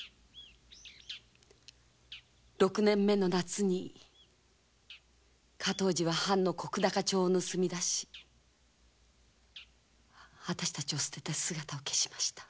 六年目の夏に加東次は藩の石高帳を盗み出し私たちを捨てて姿を消しました。